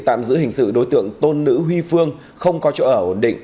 tạm giữ hình sự đối tượng tôn nữ huy phương không có chỗ ở ổn định